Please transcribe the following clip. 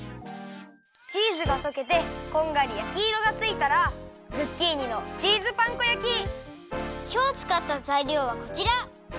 チーズがとけてこんがり焼きいろがついたらきょうつかったざいりょうはこちら。